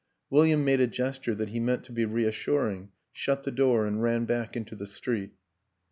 William made a gesture that he meant to be reassuring, shut the door and ran back into the street.